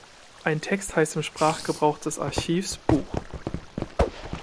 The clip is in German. Ein Text heißt im Sprachgebrauch des Archivs Buch.